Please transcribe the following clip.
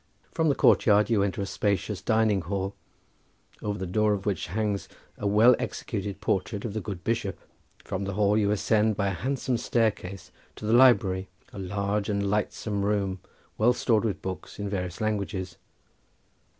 From the courtyard you enter a spacious dining hall, over the door of which hangs a well executed portrait of the good bishop. From the hall you ascend by a handsome staircase to the library, a large and lightsome room, well stored with books in various languages.